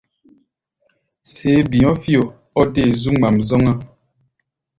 Séé bi̧ɔ̧́-fio o dé mɔ zu ŋmaʼm zɔ́ŋá.